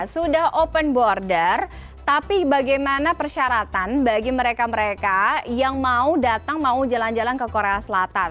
sudah open border tapi bagaimana persyaratan bagi mereka mereka yang mau datang mau jalan jalan ke korea selatan